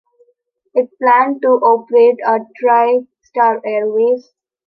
It planned to operate as Tri-Star Airways.